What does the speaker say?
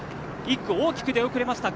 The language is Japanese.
１区、大きく出遅れました